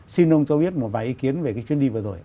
xin ông cho biết một vài ý kiến về cái chuyến đi vừa rồi